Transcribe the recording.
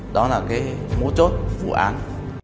đó là cái mũ chốt vụ án